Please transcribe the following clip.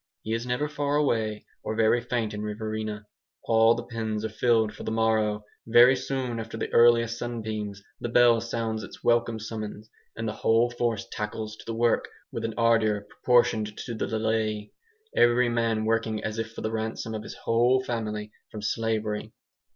He is never far away or very faint in Riverina. All the pens are filled for the morrow; very soon after the earliest sunbeams the bell sounds its welcome summons, and the whole force tackles to the work with an ardour proportioned to the delay, every man working as if for the ransom of his whole family from slavery.